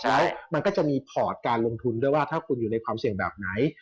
แล้วมันก็จะมีพอร์ตการลงทุนด้วยว่าถ้าคุณอยู่ในความเสี่ยงแบบไหน